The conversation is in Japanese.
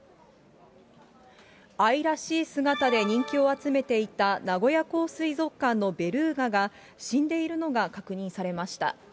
愛らしい姿で人気を集めていた名古屋港水族館のベルーガが死んでいるのが確認されました。